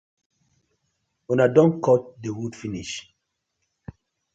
Una don kot the wood finish.